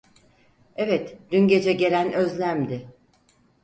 Evet, dün gece gelen Özlem'di.